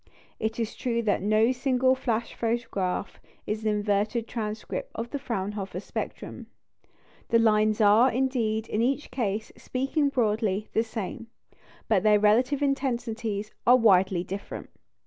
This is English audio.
It is true that no single "flash" photograph is an inverted transcript of the Fraunhofer spectrum. The lines are, indeed, in each case speaking broadly the same; but their relative intensities are widely different.